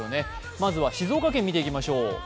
まずは静岡県見ていきましょう。